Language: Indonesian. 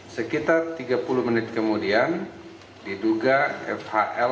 sekitar tiga puluh menit kemudian diduga penyerahan uang dari fhl kepada eds